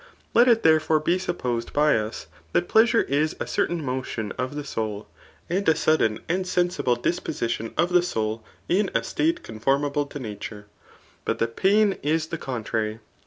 Let it therefore be supposed by us, that pleasure is a certain motion of the soul, and a sudden and sensible disposidon of the soul in a state conformable to nature ; but that pain is the con* trary.